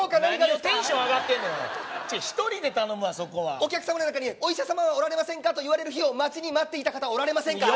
何をテンション上がってんねんおい１人で頼むわそこはお客様の中にお医者様はおられませんか？と言われる日を待ちに待っていた方はおられませんか？